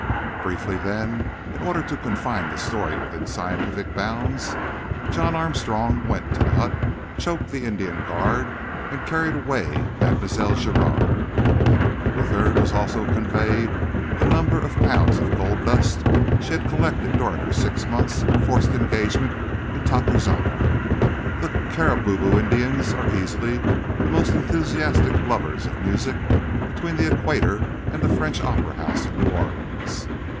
Briefly, then, in order to confine the story within scientific bounds, John Armstrong, went to the hut, choked the Indian guard and carried away Mlle. Giraud. With her was also conveyed a number of pounds of gold dust she had collected during her six months' forced engagement in Tacuzama. The Carabobo Indians are easily the most enthusiastic lovers of music between the equator and the French Opera House in New Orleans.